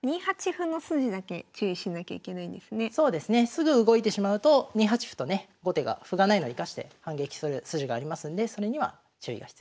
すぐ動いてしまうと２八歩とね後手が歩がないのを生かして反撃する筋がありますんでそれには注意が必要ですね。